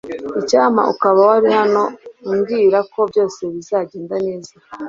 icyampa ukaba wari hano umbwira ko byose bizagenda neza